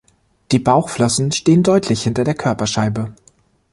Die Bauchflossen stehen deutlich hinter der Körperscheibe.